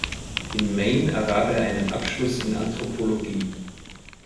In Maine erwarb er einen Abschluss in Anthropologie.